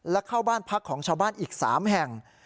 และเข้าบ้านพักของชาวบ้านอีก๓แห่ง